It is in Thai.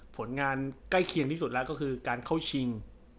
ผลงานใกล้เคียงที่สุดแล้วก็คือการเข้าชิง